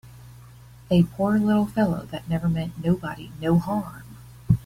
A poor little fellow that never meant nobody no harm!